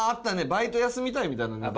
「バイト休みたい」みたいなネタ。